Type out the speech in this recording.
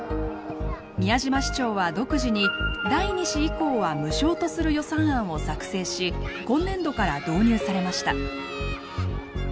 宮嶋市長は独自に第２子以降は無償とする予算案を作成し今年度から導入されました。